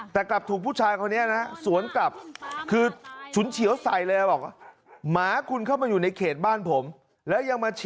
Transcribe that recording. แต่กลับถูกผู้ชายคนนี้นะสวนกลับคือชุ๋นฉี๋วใส่เลย